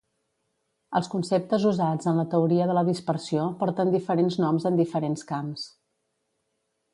Els conceptes usats en la teoria de la dispersió porten diferents noms en diferents camps.